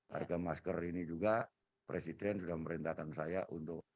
harga masker ini juga presiden sudah memerintahkan saya untuk